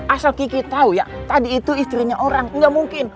asal kiki tahu ya tadi itu istrinya orang nggak mungkin